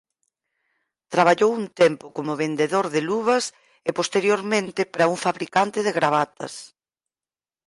Traballou un tempo como vendedor de luvas e posteriormente para un fabricante de gravatas.